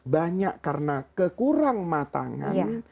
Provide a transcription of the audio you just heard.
banyak karena kekurang matangan